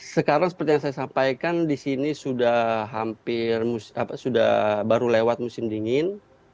sekarang seperti yang saya sampaikan di sini sudah hampir baru lewat musim dingin